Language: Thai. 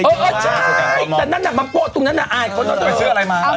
เออใช่แต่นั่นมันโป๊ตุนั่นน่ะอ่ายขนาดเติมเออพี่ไปซื้ออะไรมา